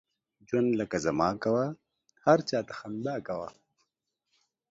ژوند لکه زما کوه، هر چاته خندا کوه.